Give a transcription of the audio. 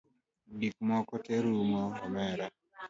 Gikmoko te rumo omera